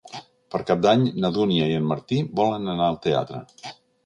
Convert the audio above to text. Per Cap d'Any na Dúnia i en Martí volen anar al teatre.